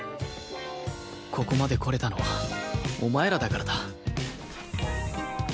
ここまで来れたのはお前らだからだ